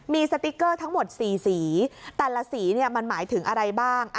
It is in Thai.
มีสติ๊กเกอร์ทั้งหมด๔สีแต่ละสีมันหมายถึงอะไรบ้าง